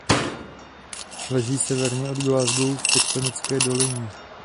Leží severně od Glasgow v tektonické dolině.